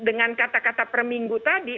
dengan kata kata per minggu tadi